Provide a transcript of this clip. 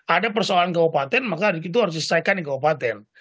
ada persoalan kabupaten maka itu harus diselesaikan di kabupaten